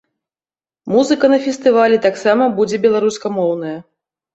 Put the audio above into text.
Музыка на фестывалі таксама будзе беларускамоўная.